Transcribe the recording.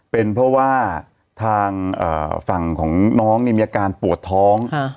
เป็นเพราะว่าทางฝั่งของน้องมีอาการปวดท้อง